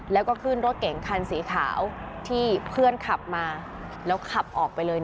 แล้วก็ขึ้นรถเก๋งคันสีขาวที่เพื่อนขับมาแล้วขับออกไปเลย